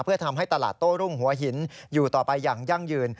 เพื่อทำให้ตลาดโต้รุ่งหัวหินอยู่ต่อไปอย่างยั่งยืน